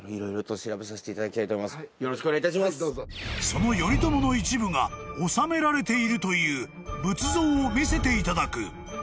［その頼朝の一部が納められているという仏像を見せていただく］